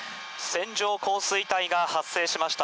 線状降水帯が発生しました。